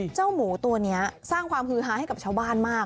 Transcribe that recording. เจ้าหมูตัวนี้สร้างความฮือฮาให้กับชาวบ้านมาก